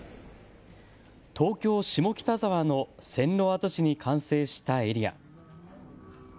東京・下北沢の線路跡地に完成したエリア。